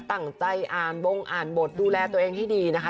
ตั้งใจอ่านบงอ่านบทดูแลตัวเองให้ดีนะคะ